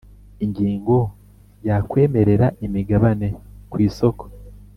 Ingingo ya kwemerera imigabane ku isoko